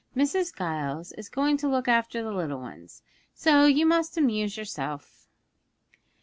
Mrs. Giles is going to look after the little ones, so you must amuse yourself.'